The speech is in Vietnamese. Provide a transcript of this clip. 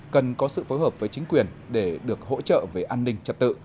cần có sự phối hợp với chính quyền để được hỗ trợ về an ninh trật tự